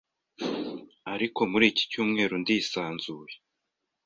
Ariko muri iki cyumweru ndisanzuye.